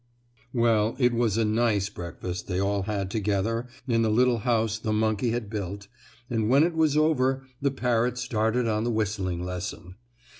Well, it was a nice breakfast they all had together in the little house the monkey had built, and when it was over the parrot started on the whistling lesson.